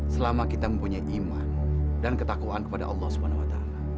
selama kita mempunyai iman dan ketakwaan kepada allah swt